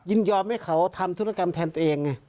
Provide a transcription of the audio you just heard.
ยินยอมให้เขาทำธุรกรรมแทนตัวเองไง